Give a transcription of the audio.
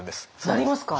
なりますか？